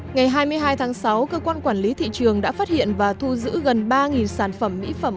ngày hai mươi hai tháng sáu cơ quan quản lý thị trường đã phát hiện và thu giữ gần ba sản phẩm mỹ phẩm